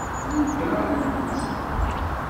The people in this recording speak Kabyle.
Llant kraḍ n temsal.